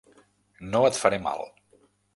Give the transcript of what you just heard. No et faré mal.